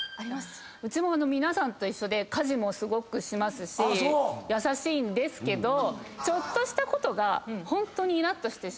うちも皆さんと一緒で家事もすごくしますし優しいんですけどちょっとしたことがホントにイラッとして。